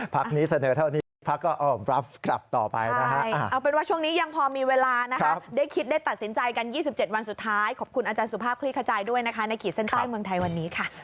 พักนี้เสนอเท่านี้พักก็รับกลับต่อไปนะฮะเอาเป็นว่าช่วงนี้ยังพอมีเวลานะคะได้คิดได้ตัดสินใจกัน๒๗วันสุดท้ายขอบคุณอาจารย์สุภาพคลี่ขจายด้วยนะคะในขีดเส้นใต้เมืองไทยวันนี้ค่ะ